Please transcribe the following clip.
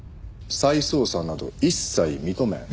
再捜査など一切認めん。